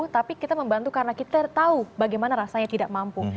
tapi kita membantu karena kita tahu bagaimana rasanya tidak mampu